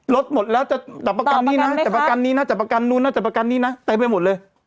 ลดหมดแล้วจะต่อประกันนี้นะต่อประกันนี้นะจะต่อประกันนู้นน่ะจะต่อประกันนู้นน่ะต่อไปหมดเลย